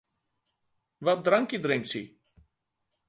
Wat drankje drinkt sy?